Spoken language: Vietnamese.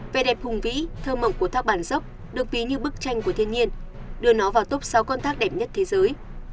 vẻ đẹp hùng vĩ thơ mộng của thác bản dốc được ví như bức tranh của thiên nhiên đưa nó vào top sáu con thác đẹp nhất thế giới